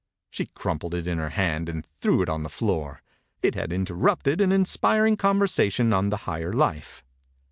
She crumpled it in her hand and threw it on the floor. It had interrupted an inspiring conversation on the Higher Life.